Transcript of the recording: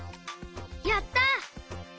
やった！